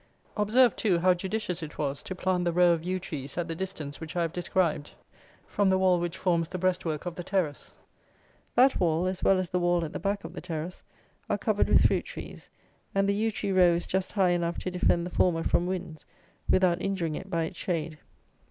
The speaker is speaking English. Observe, too, how judicious it was to plant the row of yew trees at the distance which I have described from the wall which forms the breastwork of the terrace: that wall, as well as the wall at the back of the terrace, are covered with fruit trees, and the yew tree row is just high enough to defend the former from winds, without injuring it by its shade.